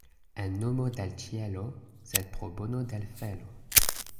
En nomo de l' ĉielo, sed pro bono de l' felo.